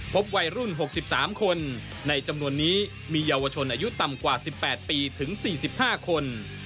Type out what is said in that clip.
พบวัยรุ่นหกสิบสามคนในจำนวนนี้มีเยาวชนอายุต่ำกว่าสิบแปดปีถึงสี่สิบห้าคน